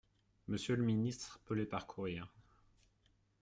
Monsieur le ministre peut les parcourir.